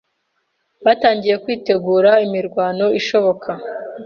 Batangiye kwitegura imirwano ishoboka.